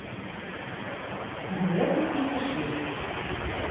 З гэтым і сышлі.